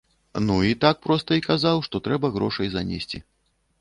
Ну, і так проста і казаў, што трэба грошай занесці.